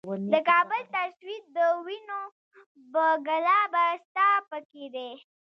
د کـــــــــابل تصویر د وینو ،بې ګلابه ستا پیکی دی